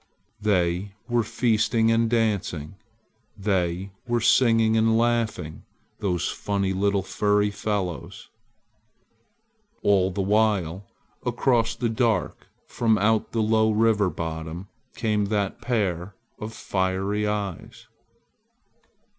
They were feasting and dancing; they were singing and laughing those funny little furry fellows. All the while across the dark from out the low river bottom came that pair of fiery eyes.